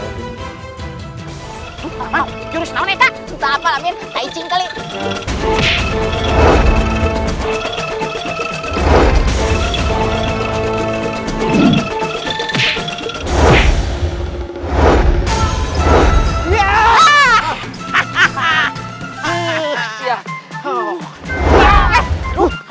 aku harus berusaha